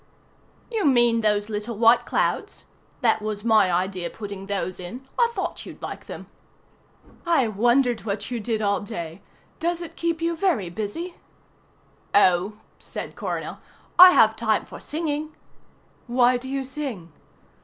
"You mean those little white clouds? That was my idea putting those in. I thought you'd like them." "I wondered what you did all day. Does it keep you very busy?" "Oh," said Coronel, "I have time for singing." "Why do you sing?"